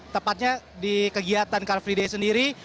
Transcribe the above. tepatnya di kegiatan car free day sendiri